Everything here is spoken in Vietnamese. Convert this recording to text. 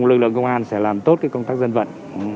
lực lượng công an sẽ làm tốt công tác dân vận